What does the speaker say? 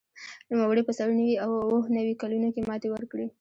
نوموړي په څلور نوي او اووه نوي کلونو کې ماتې ورکړې